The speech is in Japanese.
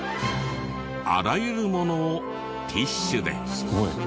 あらゆるものをティッシュで。